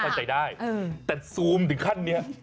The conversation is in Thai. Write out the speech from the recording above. นี่ค่อยเห็นได้แต่ซูมถึงขั้นนี่